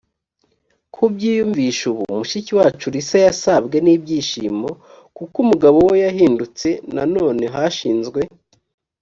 kubyiyumvisha ubu mushiki wacu lisa yasabwe n ibyishimo kuko umugabo we yahindutse nanone hashinzwe